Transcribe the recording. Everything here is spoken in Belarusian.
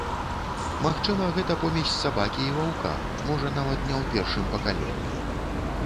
Магчыма, гэта помесь сабакі і ваўка, можа, нават не ў першым пакаленні.